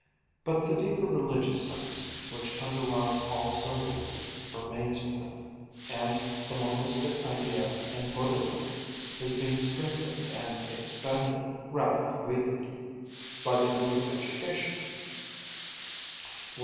But the deeper religious sense, which underlies all symbolism, remains with him; and the Monistic Idea in Buddhism is being strengthened and expanded, rather than weakened, by the new education.